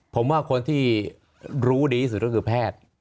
ผมว่าคนที่รู้ดีที่สุดก็คือแพทย์